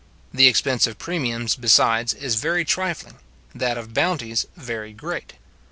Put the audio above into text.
The expense of premiums, besides, is very trifling, that of bounties very great.